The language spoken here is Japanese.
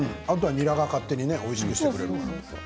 ニラが勝手においしくしてくれるから。